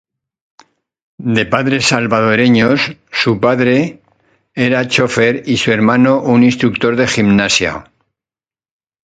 De padres salvadoreños, su padre era chófer y su hermano un instructor de gimnasia.